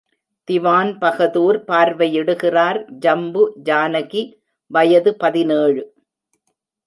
திவான்பகதூர் பார்வையிடுகிறார் ஜம்பு ஜானகி, வயது பதினேழு .